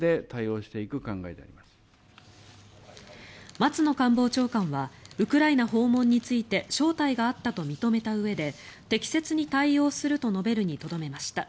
松野官房長官はウクライナ訪問について招待があったと認めたうえで適切に対応すると述べるにとどめました。